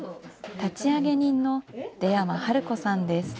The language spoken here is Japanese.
立ち上げ人の出山治子さんです。